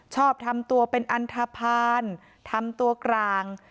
ชอบทำตัวเป็นอันทภาณทำตัวกลาง